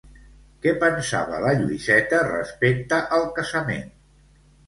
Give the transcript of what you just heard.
Què pensava la Lluïseta respecte al casament?